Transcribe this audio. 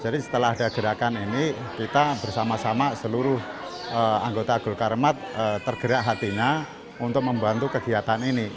jadi setelah ada gerakan ini kita bersama sama seluruh anggota agul karemat tergerak hatinya untuk membantu kegiatan ini